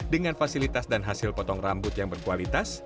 dengan fasilitas dan hasil potong rambut yang berkualitas